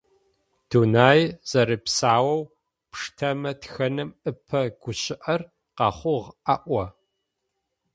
Дунаир зэрэпсаоу пштэмэ тхэным ыпэ гущыӏэр къэхъугъ аӏо.